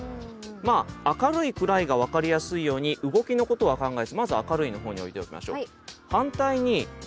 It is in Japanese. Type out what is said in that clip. まあ明るい暗いが分かりやすいように動きのことは考えずまず明るいの方に置いておきましょう。